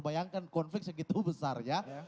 bayangkan konflik segitu besar ya